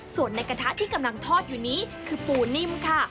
ส่วนในกระทะที่กำลังทอดอยู่นี้คือปูนิ่มค่ะ